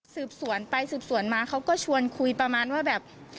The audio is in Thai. สืบสวนไปสืบสวนมาเขาก็ชวนคุยประมาณว่าแบบ